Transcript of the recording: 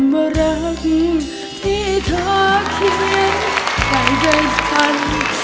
คำรักที่เธอเขียนกลายเป็นคัน